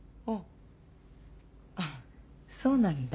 あそうなんだ。